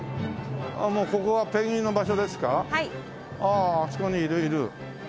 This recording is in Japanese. あああそこにいるいる。